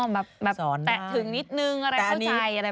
แบบแตะถึงนิดนึงอะไรเข้าใจ